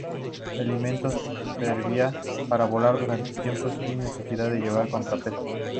El invento servía para volar durante más tiempo sin necesidad de llevar contrapesos.